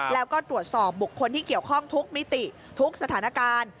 แล้วก็ตรวจสอบบุคคลที่เกี่ยวข้องทุกมิติทุกสถานการณ์